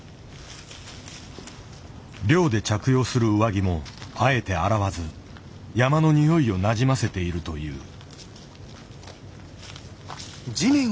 猟で着用する上着もあえて洗わず山のにおいをなじませているという。